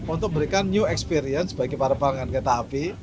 untuk memberikan new experience bagi para pelanggan kereta api